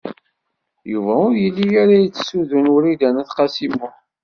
Yuba ur yelli ara yettsudun Wrida n At Qasi Muḥ.